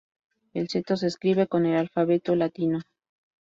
El seto se escribe con el alfabeto latino.